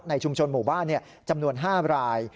ชุมชนหมู่บ้านจำนวน๕ราย